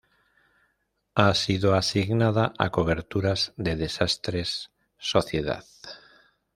Ha sido asignada a coberturas de desastres, sociedad.